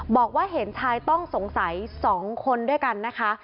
บอกว่าเห็นชายต้องสงสัย๒คนด้วยกันนะคะ